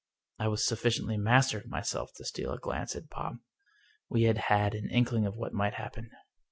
I was sufficiently master of myself to steal a glance at Bob. We had had an inkling of what might happen.